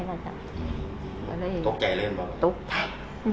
แล้วตอนนั้น